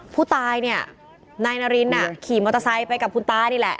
ผู้ตายเนี่ยนายนารินขี่มอเตอร์ไซค์ไปกับคุณตานี่แหละ